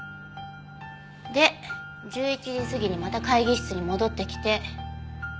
で１１時過ぎにまた会議室に戻ってきて。